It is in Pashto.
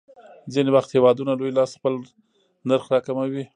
ځینې وخت هېوادونه لوی لاس خپل نرخ راکموي.